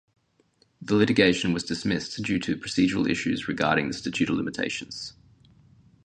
The litigation was dismissed due to procedural issues regarding the statute of limitations.